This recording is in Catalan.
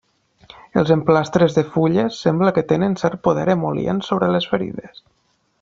Els emplastres de fulles sembla que tenen cert poder emol·lient sobre les ferides.